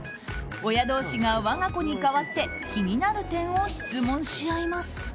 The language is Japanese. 親同士が我が子に代わって気になる点を質問し合います。